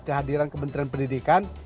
kehadiran kementrian pendidikan